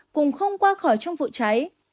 qua khỏi trong vụ cháy